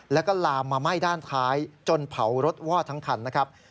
แล้วก็ลามมาไหม้ด้านท้ายจนเผารถวอดทั้งคันนะครับ